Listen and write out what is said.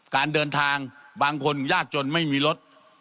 การเดินทางบางคนยากจนไม่มีรถ